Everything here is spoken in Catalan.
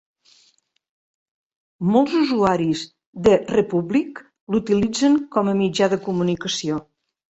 Molts usuaris d'eRepublik l'utilitzen com a mitjà de comunicació.